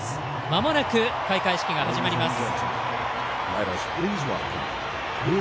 まもなく開会式が始まります。